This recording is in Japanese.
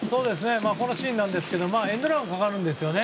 このシーンですがエンドランがかかるんですよね。